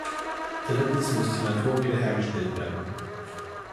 Drittens muss die Natur wiederhergestellt werden.